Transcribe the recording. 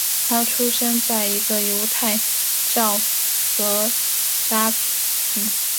他出生在一个犹太教改革派家庭。